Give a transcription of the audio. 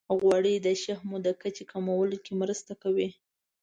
غوړې د شحمو د کچې کمولو کې هم مرسته کوي.